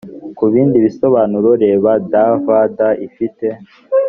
ku bindi bisobanuro reba dvd ifite